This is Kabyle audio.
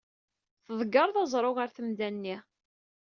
Tḍeggreḍ aẓru ɣer temda-nni.